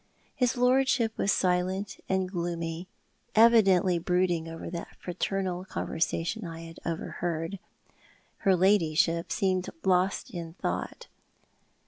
His lordship was silent and gloomy, evidently brooding over that fraternal conversation I had overheard. Her ladyship seemed lost in thought.